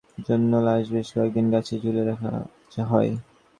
মুক্তিসংগ্রামীদের শিক্ষা দেওয়ার জন্য লাশ বেশ কয়েক দিন গাছে ঝুলিয়ে রাখা হয়।